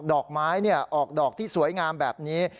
ดอกไม้ออกดอกที่สวยงามแบบนี้